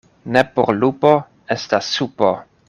Ne por lupo estas supo.